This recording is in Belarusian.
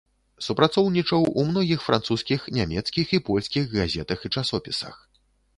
Супрацоўнічаў у многіх французскіх, нямецкіх і польскіх газетах і часопісах.